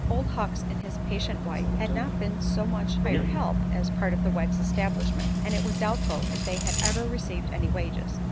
Old Hucks and his patient wife had not been so much "hired help" as a part of the Wegg establishment, and it was doubtful if they had ever received any wages.